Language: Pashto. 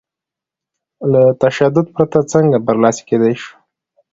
له تشدد پرته څنګه برلاسي کېدای شو؟